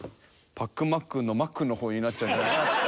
パックンマックンのマックンの方になっちゃうんじゃない？